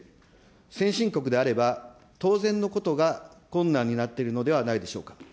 先進国であれば当然のことが困難になっているのではないでしょうか。